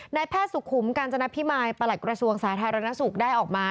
นายแพทย์สุขุมกาญจนพิมายประหลัดกระทรวงสาธารณสุขได้ออกมา